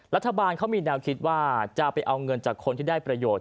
รัฐบาลเขามีแนวคิดว่าจะไปเอาเงินจากคนที่ได้ประโยชน์